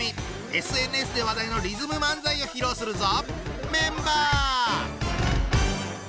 ＳＮＳで話題のリズム漫才を披露するぞ！